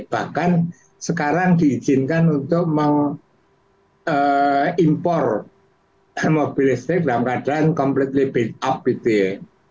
bahkan sekarang diizinkan untuk mengimpor mobil listrik dalam keadaan completely bad up gitu ya